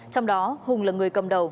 trong đó hùng là người cầm đầu